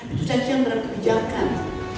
itu cacian dalam kebijakan